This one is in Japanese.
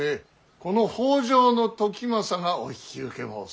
この北条時政がお引き受け申す。